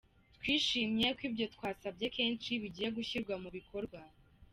Twishimiye ko ibyo twasabye kenshi bigiye gushyirwa mu bikorwa.